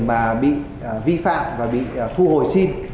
mà bị vi phạm và bị phá hủy